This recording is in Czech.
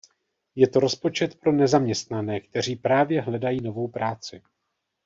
Je to rozpočet pro nezaměstnané, kteří právě hledají novou práci.